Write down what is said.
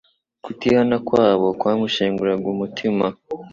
Kutihana kwabo kwamushenguraga umutima.